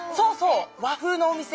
和風のお店？